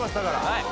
はい！